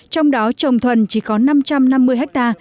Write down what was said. trong đó trồng thuần chỉ có năm trăm năm mươi ha